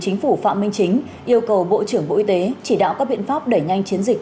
chính phủ phạm minh chính yêu cầu bộ trưởng bộ y tế chỉ đạo các biện pháp đẩy nhanh chiến dịch